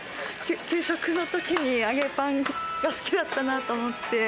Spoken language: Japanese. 給食のときに、揚げパンが好きだったなと思って。